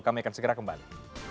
kami akan segera kembali